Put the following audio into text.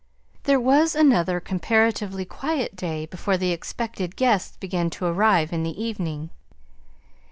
There was another comparatively quiet day before the expected guests began to arrive in the evening.